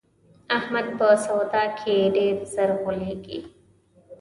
احمد په سودا کې ډېر زر غولېږي.